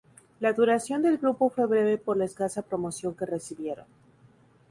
La duración del grupo fue breve por la escasa promoción que recibieron.